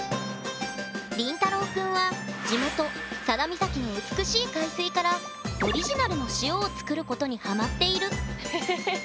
りんたろうくんは地元・佐田岬の美しい海水からオリジナルの塩を作ることにハマっている！